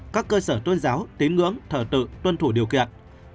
các cơ sở tuân giáo tín ngưỡng thợ tự tuân thủ điều kiện